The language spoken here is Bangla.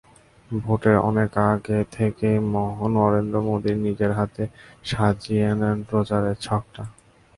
ভোটের অনেক আগে থেকেই নরেন্দ্র মোদির নিজের হাতে সাজিয়ে নেন প্রচারের ছকটা।